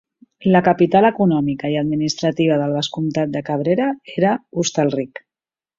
La capital econòmica i administrativa del vescomtat de Cabrera era Hostalric.